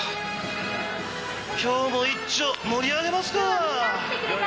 今日もいっちょ盛り上げますか。